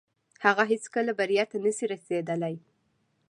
هغه هيڅکه بريا ته نسي رسيدلاي.